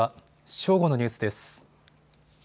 正午のニュースです。